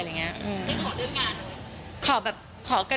แล้วขอเรื่องงาน